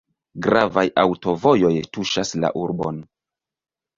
Gravaj aŭtovojoj tuŝas la urbon.